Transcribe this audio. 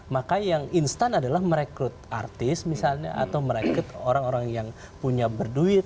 maka yang instan adalah merekrut artis misalnya atau merekrut orang orang yang punya berduit